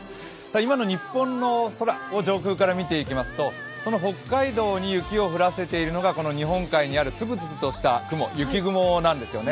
今の日本の空を上空から見ていきますとその北海道に雪を降らせているのが日本海にあるつぶつぶとした雪雲なんですね。